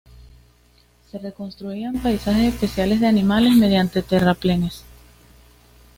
Se construirán pasajes especiales de animales mediante terraplenes.